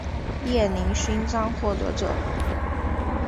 列宁勋章获得者。